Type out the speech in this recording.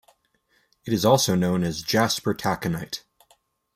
It is also known as "jasper taconite".